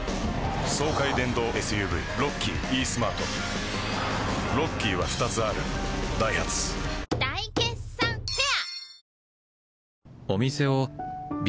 爽快電動ＳＵＶロッキーイースマートロッキーは２つあるダイハツ大決算フェア